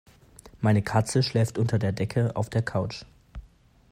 Meine Katze schläft unter der Decke auf der Couch.